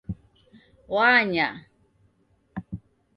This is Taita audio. Wanya